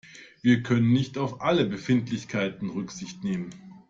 Wir können nicht auf alle Befindlichkeiten Rücksicht nehmen.